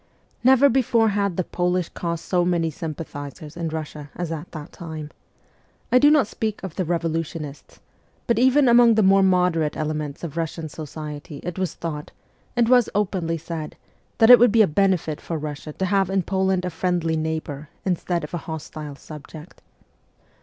Never before had the Polish cause so many sym pathizers in Russia as at that time. I do not speak of the revolutionists ; but even among the more moderate elements of Eussian society it was thought, and was openly said, that it would be a benefit for Russia to have in Poland a friendly neighbour instead of a hostile subject.